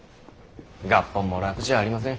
合本も楽じゃありません。